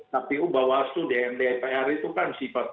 tapi bahwa itu dnd pr itu kan